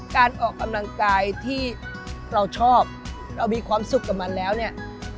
การออกกำลังกายที่เราชอบเรามีความสุขกับมันแล้วเนี่ย